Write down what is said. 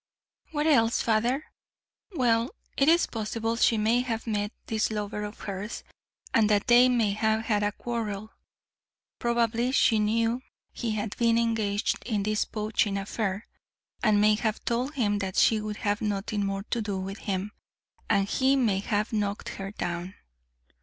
"What else, father?" "Well, it is possible she may have met this lover of hers, and that they may have had a quarrel. Probably she knew he had been engaged in this poaching affair, and may have told him that she would have nothing more to do with him, and he may have knocked her down.